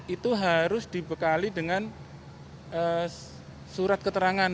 itu harus dibekali dengan surat keterangan